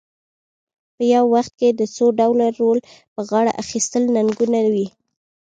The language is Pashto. په یو وخت کې د څو ډوله رول په غاړه اخیستل ننګونه وي.